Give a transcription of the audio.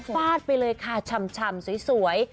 ฟาดไปเลยค่ะชำสวย